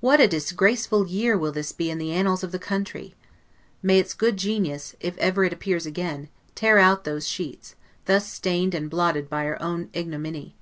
What a disgraceful year will this be in the annals of this country! May its good genius, if ever it appears again, tear out those sheets, thus stained and blotted by our ignominy!